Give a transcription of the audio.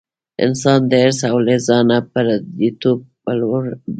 انسان د حرص او له ځانه پردیتوب په لور لاړ.